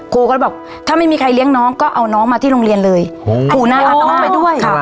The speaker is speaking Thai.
ครูก็บอกถ้าไม่มีใครเลี้ยงน้องก็เอาน้องมาที่โรงเรียนเลยโหอันน้องมาด้วย